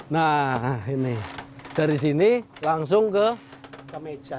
nah ini dari sini langsung ke meja